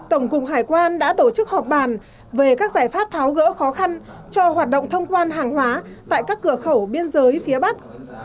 tổng cục hải quan đã tổ chức họp bàn về các giải pháp tháo gỡ khó khăn cho hoạt động thông quan hàng hóa tại các cửa khẩu biên giới phía bắc